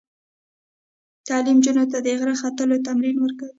تعلیم نجونو ته د غره ختلو تمرین ورکوي.